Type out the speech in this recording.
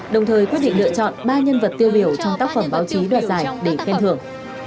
đồng thời quyết định lựa chọn ba nhân vật tiêu biểu trong tác phẩm báo chí đoạt giải để khen thưởng